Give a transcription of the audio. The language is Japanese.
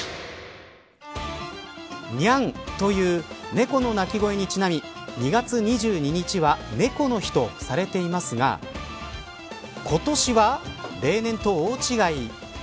にゃんという猫の鳴き声にちなみ２月２２日は猫の日とされていますが今年は例年と大違い。